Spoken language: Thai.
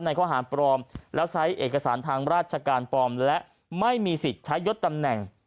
ข้อหารปลอมแล้วใช้เอกสารทางราชการปลอมและไม่มีสิทธิ์ใช้ยดตำแหน่ง